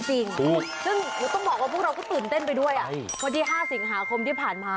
จริงซึ่งต้องบอกว่าพวกเราก็ตื่นเต้นไปด้วยวันที่๕สิงหาคมที่ผ่านมา